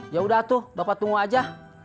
yaudah tuh bapak tunggu aja